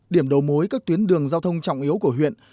điểm đầu mối các tuyến đường giao thông trọng yếu của huyện